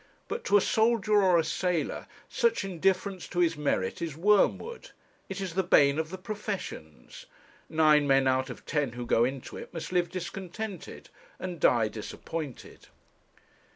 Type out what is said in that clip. But to a soldier or a sailor, such indifference to his merit is wormwood. It is the bane of the professions. Nine men out of ten who go into it must live discontented, and die disappointed.